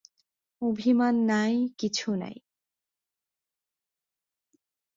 অভিমান নাই, কিছু নাই।